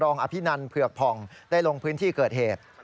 อภินันเผือกผ่องได้ลงพื้นที่เกิดเหตุ